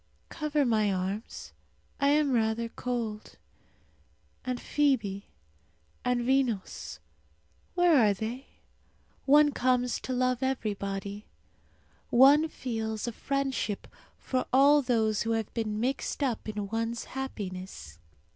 Cover my arms; I am rather cold. And Fibi and Vinos, where are they? One comes to love everybody. One feels a friendship for all those who have been mixed up in one's happiness.